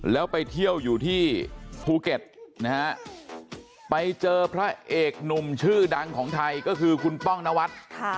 แล้วไปเที่ยวอยู่ที่ภูเก็ตนะฮะไปเจอพระเอกหนุ่มชื่อดังของไทยก็คือคุณป้องนวัฒน์